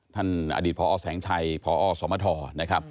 ท่านอดีตพอแสงชัยพอสมทร